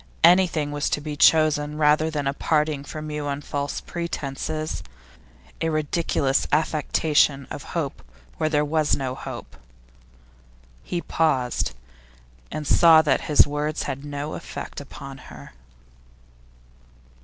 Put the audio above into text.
Anything was to be chosen rather than a parting from you on false pretences, a ridiculous affectation of hope where there was no hope.' He paused, and saw that his words had no effect upon her.